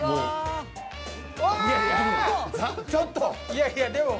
いやいやでも。